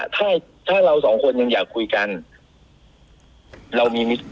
ถ้าเราสองคนยังอยากกลับคุยกัน